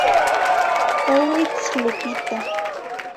Ouitz n Lupita.